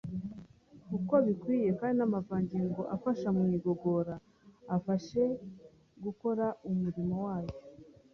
uko bikwiriye kandi n’amavangingo afasha mu igogora abashe gukora umurimo wayo.